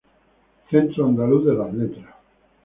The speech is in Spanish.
Centro Andaluz de las Letras.